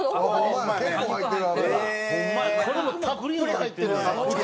これもたっぷり入ってる。